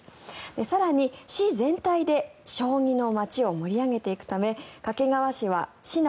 更に市全体で将棋の街を盛り上げていくため掛川市は市内